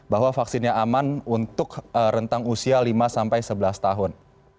bahwa vaksinnya aman untuk rentang usia lima sampai sebelas tahun